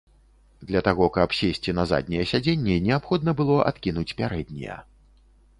Для таго, каб сесці на заднія сядзенні, неабходна было адкінуць пярэднія.